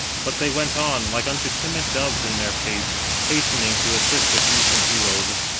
But they went on, like unto timid doves in their pace, hastening to assist the Grecian heroes.